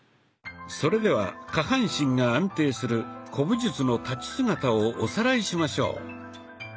それでは下半身が安定する古武術の立ち姿をおさらいしましょう。